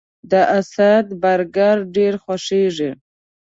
د اسد برګر ډیر خوښیږي